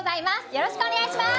よろしくお願いします。